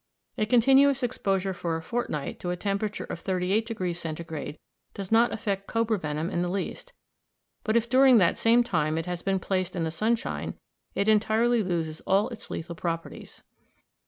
A continuous exposure for a fortnight to a temperature of 38° Centigrade does not affect cobra venom in the least; but if during that same time it has been placed in the sunshine, it entirely loses all its lethal properties.